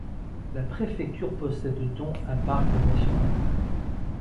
La préfecture possède dont un parc national.